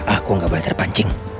aku gak boleh terpancing